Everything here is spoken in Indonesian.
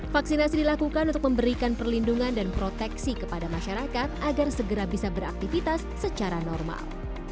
vaksinasi dilakukan untuk memberikan perlindungan dan proteksi kepada masyarakat agar segera bisa beraktivitas secara normal